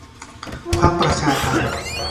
พรรคประชาไทย